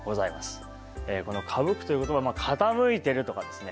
この「傾く」という言葉傾いてるとかですね